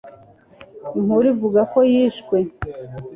Inkuru ivuga ko yishwe